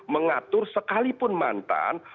mengatur sekalipun mantan